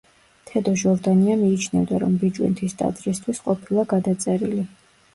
თედო ჟორდანია მიიჩნევდა, რომ ბიჭვინთის ტაძრისთვის ყოფილა გადაწერილი.